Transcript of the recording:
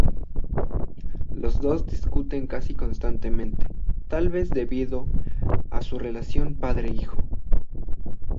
Los dos discuten casi constantemente, tal vez debido a su relación padre-hijo.